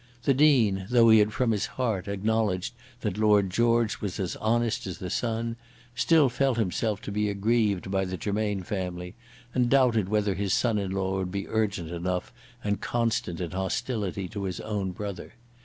The Dean, though he had from his heart acknowledged that Lord George was as honest as the sun, still felt himself to be aggrieved by the Germain family, and doubted whether his son in law would be urgent enough and constant in hostility to his own brother.